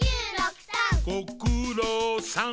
「ご・く・ろう・さん！」